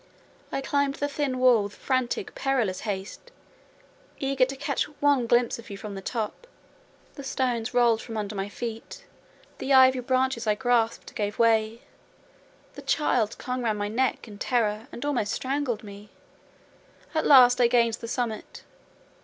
I climbed the thin wall with frantic perilous haste, eager to catch one glimpse of you from the top: the stones rolled from under my feet, the ivy branches I grasped gave way, the child clung round my neck in terror, and almost strangled me; at last I gained the summit.